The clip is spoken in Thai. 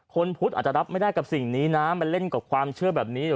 พุทธอาจจะรับไม่ได้กับสิ่งนี้นะมันเล่นกับความเชื่อแบบนี้เหรอ